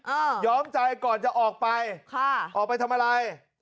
ย้อมใจก่อนจะออกไปค่ะออกไปทำอะไร